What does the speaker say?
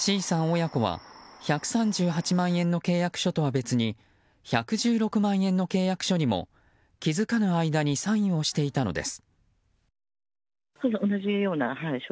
親子は１３８万円の契約書とは別に１１６万円の契約書にも気づかぬ間にサインをしていたのです。